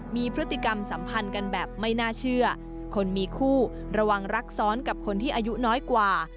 มีพฤติกรรมสัมพันธ์กันแบบไม่น่าเชื่อคนมีคู่ระวังรักซ้อนกับคนที่อายุน้อยกว่า